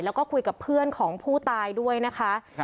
แล้วก็คุยกับเพื่อนของผู้ตายด้วยนะคะ